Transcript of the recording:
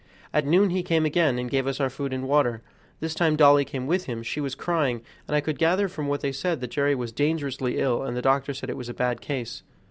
At noon he came again and gave us our food and water; this time Dolly came with him; she was crying, and I could gather from what they said that Jerry was dangerously ill, and the doctor said it was a bad case.